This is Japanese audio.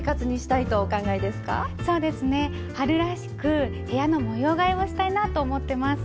そうですね春らしく部屋の模様替えをしたいなと思ってます。